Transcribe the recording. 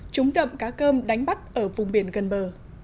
trúng đậm cá cơm đánh bắt ở vùng biển gần bờ